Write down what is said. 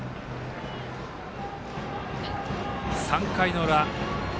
３回の裏。